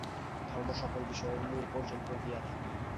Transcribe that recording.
ধর্ম সকল-বিষয়ের মূল পর্যন্ত গিয়া থাকে।